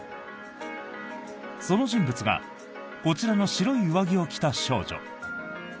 その人物がこちらの白い上着を着た少女。